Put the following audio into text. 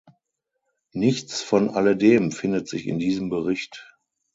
Nichts von alledem findet sich in diesem Bericht.